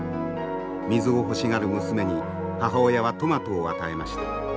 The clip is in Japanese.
水を欲しがる娘に母親はトマトを与えました。